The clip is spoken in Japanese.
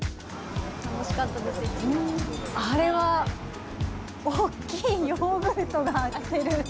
あれは、大きいヨーグルトが売ってる。